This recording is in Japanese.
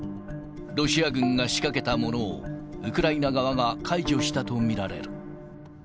ロシア軍が仕掛けたものを、ウクライナ側が解除したと見られる。